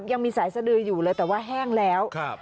ยังมีสายสดืออยู่เลยแต่ว่าแห้งแล้ว